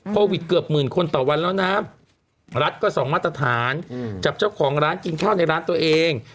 โควิดเกือบหมื่นคนต่อวันแล้วนะรัฐก็สองมาตรฐานกับเจ้าของร้านกินข้าวในร้านตัวเอง